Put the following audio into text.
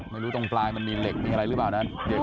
ไม่รู้ตรงปลายมันมีเหล็กมีอะไรหรือเปล่านะ